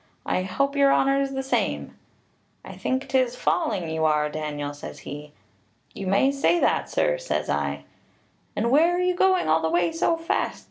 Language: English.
'I hope your honour's the same.' 'I think 'tis falling you are, Daniel,' says he. 'You may say that, sir,' says I. 'And where are you going all the way so fast?'